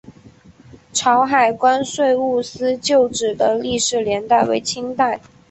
潮海关税务司旧址的历史年代为清代。